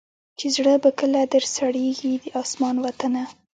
چي زړه به کله در سړیږی د اسمان وطنه